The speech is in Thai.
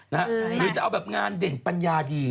หรือจะเอาแบบงานเด่นปัญญาดี